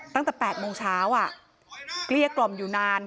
ตั้งแต่๘โมงเช้าเกลี้ยกล่อมอยู่นาน